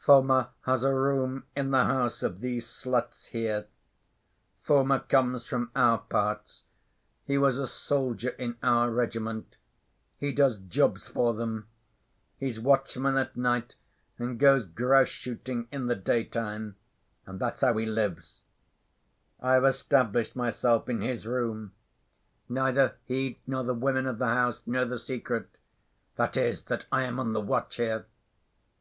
Foma has a room in the house of these sluts here. Foma comes from our parts; he was a soldier in our regiment. He does jobs for them. He's watchman at night and goes grouse‐shooting in the day‐time; and that's how he lives. I've established myself in his room. Neither he nor the women of the house know the secret—that is, that I am on the watch here."